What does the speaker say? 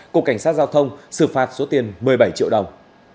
cục cảnh sát giao thông xử phạt số tiền một mươi bảy triệu đồng